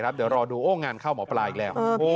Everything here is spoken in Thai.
เดี๋ยวรอดูโอ้งานเข้าหมอปลาอีกแล้ว